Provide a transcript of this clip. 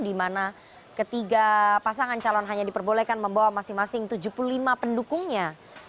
di mana ketiga pasangan calon hanya diperbolehkan membawa masing masing tujuh puluh lima pendukungnya